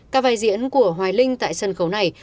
các vai diễn của hoài linh tại sân khấu này